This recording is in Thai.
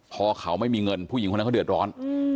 พอเขาไม่มีเงินผู้หญิงคนนั้นเขาเดือดร้อน